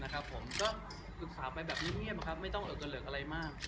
ก็ศึกษาไปแบบเงียบครับไม่ต้องเอาเกลือกอะไรมาก